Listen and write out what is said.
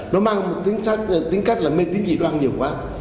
nó mang một tính cách là mê tính gì đó ăn nhiều quá